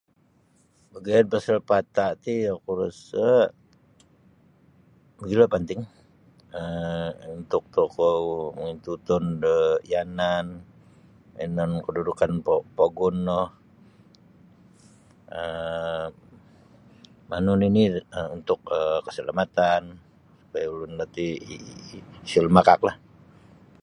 Bagayad pasal pata' ti oku rasa mogilo panting um untuk tokou mangintutun da yanan yanan kedudukan pogun no um manu nini untuk keselamatan supaya ulun roti isa lumakaklah.